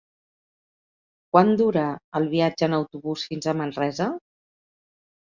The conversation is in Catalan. Quant dura el viatge en autobús fins a Manresa?